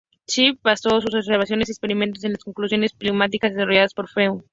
Spitz basó sus observaciones y experimentos en las conclusiones psicoanalíticas, desarrolladas por Freud.